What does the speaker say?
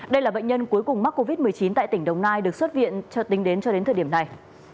đây là bệnh nhân cuối cùng mắc covid một mươi chín tại tỉnh đồng nai được xuất viện tính đến cho đến thời điểm này